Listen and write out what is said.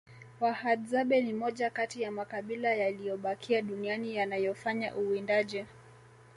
wahadzabe ni moja Kati ya makabila yaliyobakia duniani yanayofanya uwindaji